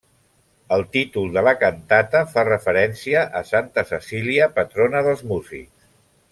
El títol de la cantata fa referència a Santa Cecília, patrona dels músics.